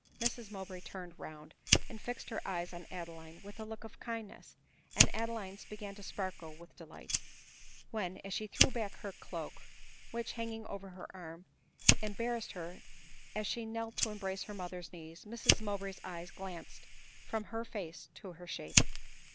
Mrs Mowbray turned round and fixed her eyes on Adeline with a look of kindness, and Adeline's began to ^, sparkle with delight ; when, as she threw back her cloak, which, hanging over her arm, embarrassed her as she knelt to embrace her mother's knees, Mrs Mowbray's eyes glanced from her face to her shape.